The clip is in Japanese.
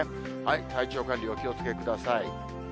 体調管理、お気をつけください。